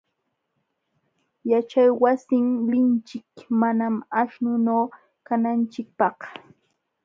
Yaćhaywasin linchik mana aśhnunu kananchikpaq.